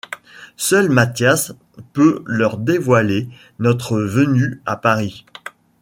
Seul Mathias peut leur dévoiler notre venue à Paris.